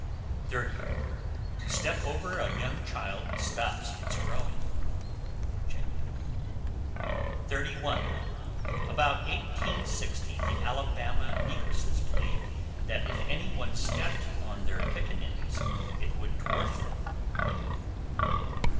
_ 30. To step over a young child stops its growing. Virginia. 31. About 1860 the Alabama negresses believed that if any one stepped on their pickaninnies it would dwarf them.